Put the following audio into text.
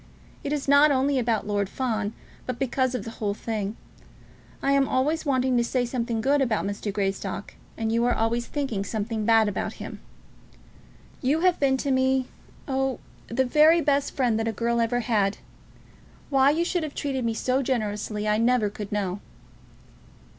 It is not only about Lord Fawn, but because of the whole thing. I am always wanting to say something good about Mr. Greystock, and you are always thinking something bad about him. You have been to me, oh, the very best friend that a girl ever had. Why you should have treated me so generously I never could know."